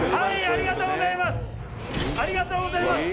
ありがとうございます！」